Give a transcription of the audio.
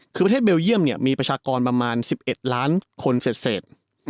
คือประเทศเบลเยี่ยมมีประชากรประมาณ๑๑ล้านคนเศษ